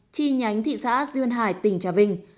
chi nhánh thị xã duyên hải tỉnh trà vinh